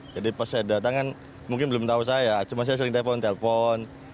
jadi pas saya datang kan mungkin belum tau saya cuma saya sering telepon telepon